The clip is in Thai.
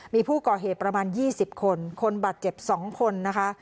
มีผู้ก่อเหตุประมาณ๒๐คนคนบาดเจ็บ๒คนนะคะ